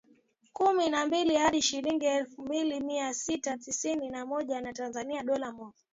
kumi na mbili hadi shilingi elfu mbili mia sita sitini na moja za Tanzania dola moja